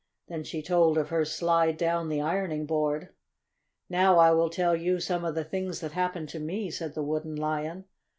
Then she told of her slide down the ironing board. "Now I will tell you some of the things that happened to me," said the Wooden Lion.